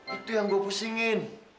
itu yang gue pusingin